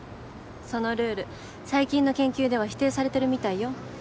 そのルール最近の研究では否定されてるみたいよ。